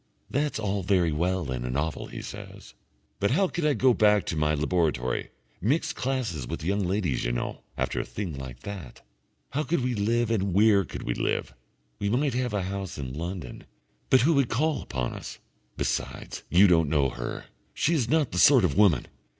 "That's all very well in a novel," he says. "But how could I go back to my laboratory, mixed classes with young ladies, you know, after a thing like that? How could we live and where could we live? We might have a house in London, but who would call upon us? ... Besides, you don't know her. She is not the sort of woman....